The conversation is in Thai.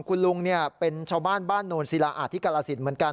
คุณลุงเป็นชาวบ้านนวลศิละอาธิกรสิทธิ์เหมือนกัน